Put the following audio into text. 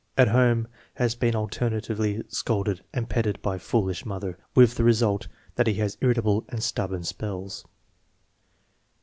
At home has been alternately scolded and petted by a foolish mother, with the result that he has irritable and stubborn spells.